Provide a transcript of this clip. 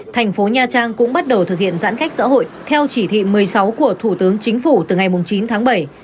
thành phố nha trang cũng bắt đầu thực hiện giãn cách xã hội theo chỉ thị một mươi sáu của thủ tướng chính phủ từ ngày chín tháng bảy